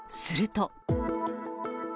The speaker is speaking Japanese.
すると。